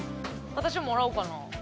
私ももらおうかな。